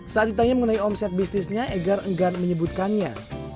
saat ditanya mengenai omset bisnisnya egar enggan menyebutkannya